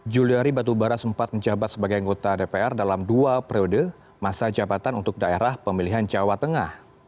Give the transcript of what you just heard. juliari batubara sempat menjabat sebagai anggota dpr dalam dua periode masa jabatan untuk daerah pemilihan jawa tengah